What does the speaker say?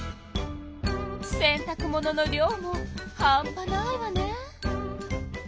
洗たく物の量も半ぱないわね。